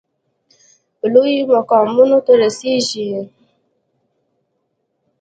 لویو مقامونو ته رسیږي.